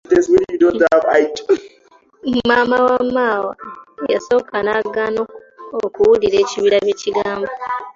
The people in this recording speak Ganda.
Maama wa Maawa yasooka n'agaana okuwulira ekibira byekigamba